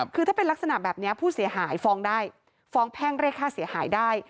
คือถ้าเป็นลักษณะแบบนี้ผู้เสียหายฟ้องได้ฟ้องแพ่งเรียกค่าเสียหายได้